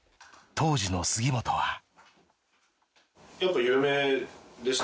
当時の杉本は。